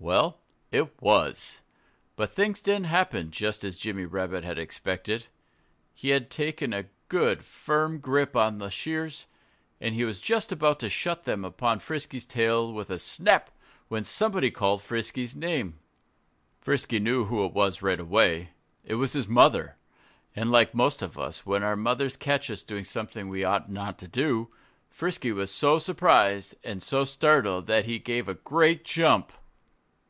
Well, it was. But things didn't happen just as Jimmy Rabbit had expected. He had taken a good, firm grip on the shears, and he was just about to shut them upon Frisky's tail with a snap, when somebody called Frisky's name. Frisky knew who it was right away. It was his mother! And like most of us, when our mothers catch us doing something we ought not to do, Frisky was so surprised and so startled that he gave a great jump.